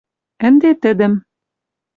Ӹнде тӹдӹм